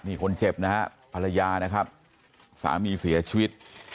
นี่คนเจ็บนะฮะภรรยานะครับสามีเสียชีวิต